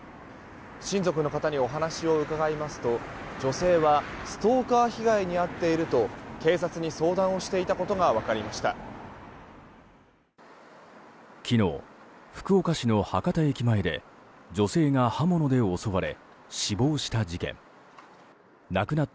親族の方にお話を伺いますと女性はストーカー被害に遭っていると警察に相談をしていたことが分かりました。